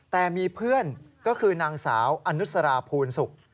แต่มีเพื่อนก็คือนางสาวอนุสราภูลศุกร์